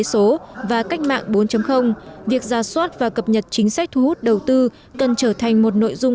số và cách mạng bốn việc ra soát và cập nhật chính sách thu hút đầu tư cần trở thành một nội dung